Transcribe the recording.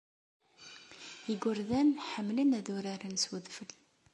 Igerdan ḥemmlen ad uraren s udfel.